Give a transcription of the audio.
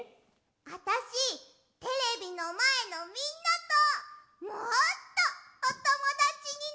あたしテレビのまえのみんなともっとおともだちになりたい！